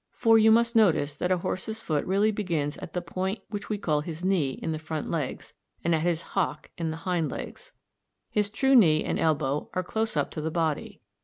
For you must notice that a horse's foot really begins at the point w which we call his knee in the front legs, and at his hock h in the hind legs. His true knee k and elbow e are close up to the body.